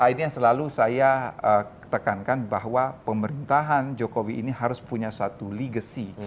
ini yang selalu saya tekankan bahwa pemerintahan jokowi ini harus punya satu legacy